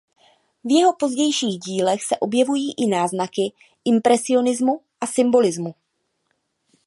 V jeho pozdějších dílech se objevují i náznaky impresionismu a symbolismu.